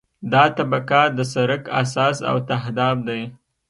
دا طبقه د سرک اساس او تهداب دی